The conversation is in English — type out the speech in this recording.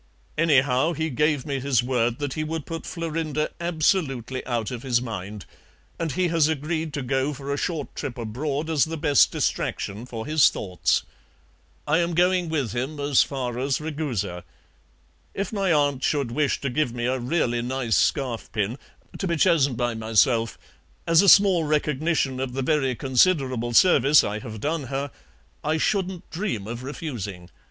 Anyhow, he gave me his word that he would put Florinda absolutely out of his mind, and he has agreed to go for a short trip abroad as the best distraction for his thoughts. I am going with him as far as Ragusa. If my aunt should wish to give me a really nice scarf pin (to be chosen by myself), as a small recognition of the very considerable service I have done her, I shouldn't dream of refusing.